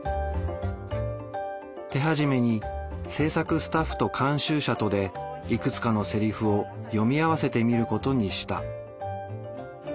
手始めに制作スタッフと監修者とでいくつかのセリフを読み合わせてみることにした。